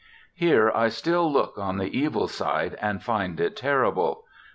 Here I still look on the evil side and find it terrible.